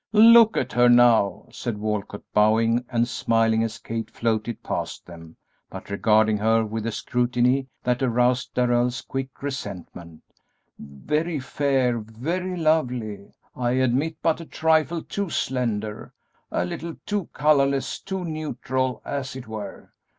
"Look at her now!" said Walcott, bowing and smiling as Kate floated past them, but regarding her with a scrutiny that aroused Darrell's quick resentment; "very fair, very lovely, I admit, but a trifle too slender; a little too colorless, too neutral, as it were!